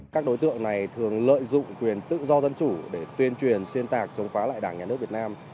các đối tượng này thường lợi dụng quyền tự do dân chủ để tuyên truyền xuyên tạc chống phá lại đảng nhà nước việt nam